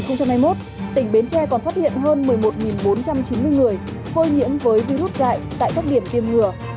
năm hai nghìn hai mươi một tỉnh bến tre còn phát hiện hơn một mươi một bốn trăm chín mươi người phơi nhiễm với virus dạy tại các điểm tiêm ngừa